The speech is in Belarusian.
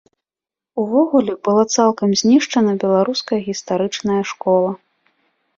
Увогуле, была цалкам знішчана беларуская гістарычная школа.